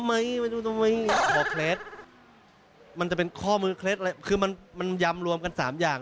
แอบขาพี่ออฟมันกันโดนอะไรมาก่อนค่ะโอเคมาก